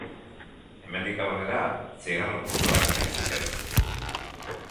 Hemendik aurrera, zigarro puruak baizik ez.